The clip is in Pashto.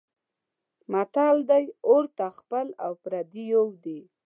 متل دی: اور ته خپل او پردی یو دی.